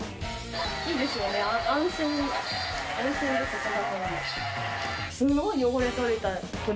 いいですよね安心です。